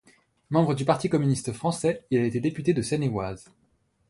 Membre du Parti communiste français, il a été député de Seine-et-Oise.